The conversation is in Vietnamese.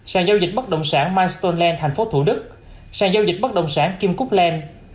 sàn giao dịch bất đồng sản milestoneland tp thủ đức sàn giao dịch bất đồng sản kim cúc land